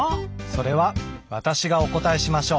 それは私がお答えしましょう。